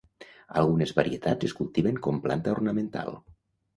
Algunes varietats es cultiven com planta ornamental.